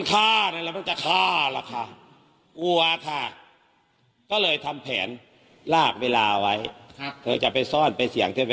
ใครฆ่าครับครับอาจารย์